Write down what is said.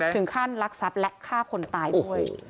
ถึงขั้นลักษัพและฆ่าคนตายด้วย